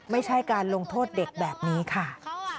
ไม่ใช่การลงโทษเด็กแบบนี้ค่ะ